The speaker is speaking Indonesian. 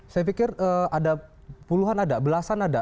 saya pikir ada puluhan ada belasan ada